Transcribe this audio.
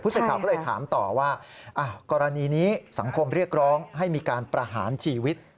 สื่อข่าวก็เลยถามต่อว่ากรณีนี้สังคมเรียกร้องให้มีการประหารชีวิต